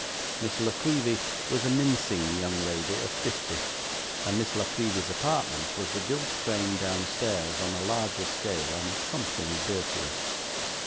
Miss La Creevy was a mincing young lady of fifty, and Miss La Creevy's apartment was the gilt frame downstairs on a larger scale and something dirtier.